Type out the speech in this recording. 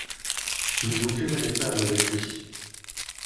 Ne vous querellez pas avec lui.